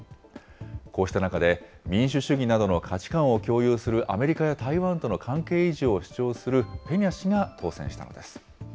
こうした中で、民主主義などの価値観を共有するアメリカや台湾との関係維持を主張するペニャ氏が当選したのです。